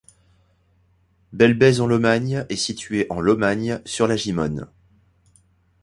Belbèze-en-Lomagne est située en Lomagne sur la Gimone.